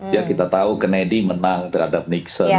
ya kita tahu kennedy menang terhadap nixon